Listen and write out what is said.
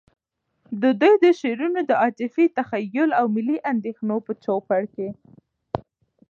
د دوی د شعرونو د عاطفی، تخیّل، او ملی اندیښنو په چو پړ کي